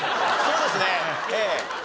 そうですねええ。